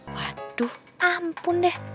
waduh ampun deh